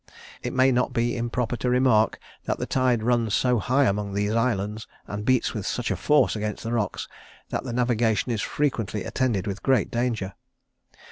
It may not be improper to remark, that the tide runs so high among these islands, and beats with such force against the rocks, that the navigation is frequently attended with great danger.